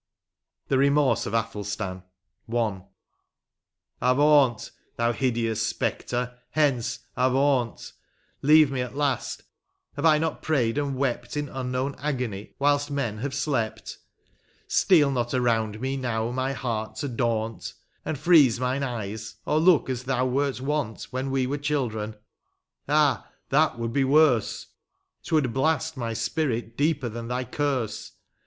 121 LX. THE REMORSE OF ATHELSTAN. — I. AvAUNT ! thou hideous spectre — hence — avaunt ! Leave me at last ! have I not prayed and wept In unknown agony, whilst men have slept ? Steal not around me now my heart to daunt. And freeze mine eyes, or look as thou wert wont When we were children, — ah! that would he worse — *T would blast my spirit deeper than thy curse.